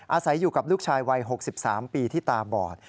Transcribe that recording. อาศัยอยู่กับลูกชายวัย๖๓ปีที่ตาบอด